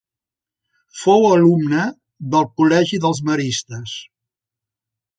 Fou alumne del col·legi dels Maristes.